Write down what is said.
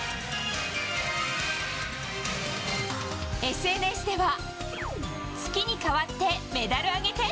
ＳＮＳでは月に代わってメダルあげて！